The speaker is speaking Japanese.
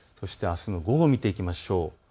あすの午後、見ていきましょう。